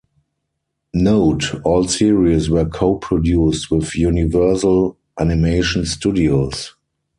Note: All series were co-produced with Universal Animation Studios.